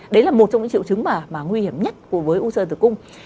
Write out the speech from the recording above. đấy là một trong những triệu chứng mà nguy hiểm nhất với u sơ tử cung